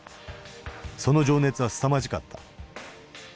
その情熱はすさまじかった。